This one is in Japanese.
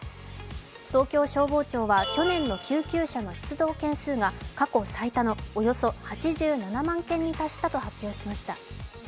東京消防庁は去年の救急車の出動件数が過去最多のおよそ８７万件に達したと発表しました。